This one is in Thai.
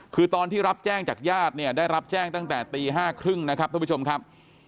คือตอนที่รับแจ้งจากญาติเนี่ยได้รับแจ้งตั้งแต่ตี๕๓๐นะครับท่านผู้ชมครับ